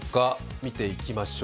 見ていきましょう。